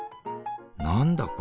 何だこれ。